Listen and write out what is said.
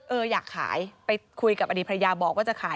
อยากขายไปคุยกับอดีตภรรยาบอกว่าจะขาย